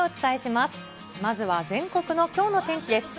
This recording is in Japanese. まずは全国のきょうの天気です。